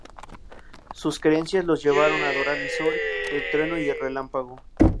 Sus creencias los llevaron a adorar el sol, el trueno y el relámpago.